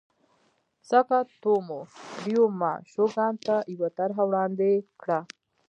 ساکاتومو ریوما شوګان ته یوه طرحه وړاندې کړه.